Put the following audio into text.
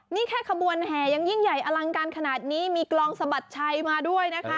นี่แค่ขบวนแห่ยังยิ่งใหญ่อลังการขนาดนี้มีกลองสะบัดชัยมาด้วยนะคะ